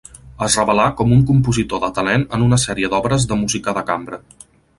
Es revelà com un compositor de talent en una sèrie d'obres de música de cambra.